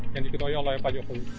yang diketahui oleh pak jokowi